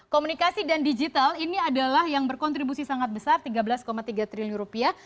komunikasi dan digital ini adalah yang berkontribusi sangat besar tiga belas tiga triliun rupiah